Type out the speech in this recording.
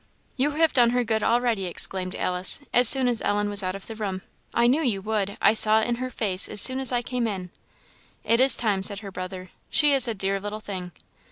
"You have done her good already," exclaimed Alice, as soon as Ellen was out of the room; "I knew you would; I saw it in her face as soon as I came in." "It is time," said her brother. "She is a dear little thing!"